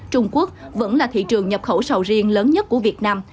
trung quốc vẫn là thị trường nhập khẩu sầu riêng lớn nhất của việt nam